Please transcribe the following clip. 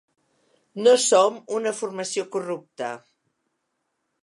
No som una formació corrupta.